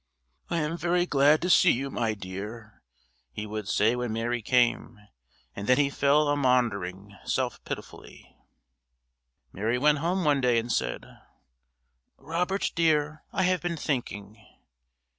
"I am very glad to see you, my dear," he would say when Mary came, and then he fell a maundering self pitifully. Mary went home one day and said, "Robert, dear, I have been thinking."